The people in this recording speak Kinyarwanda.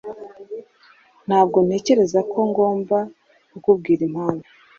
Ntabwo ntekereza ko ngomba kukubwira impamvu.